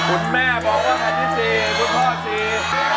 คุณแม่บอกว่าอันที่สี่คุณพ่อสี่